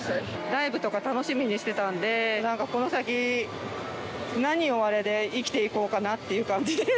ライブとか楽しみにしてたんで、なんかこの先、何をあれで生きていこうかなっていう感じ。